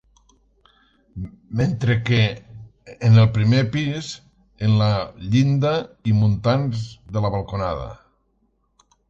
Mentre que en el primer pis, en la llinda i muntants de la balconada.